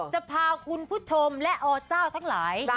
จะพาคุณผู้ชมและอเจ้าทั้งหลาย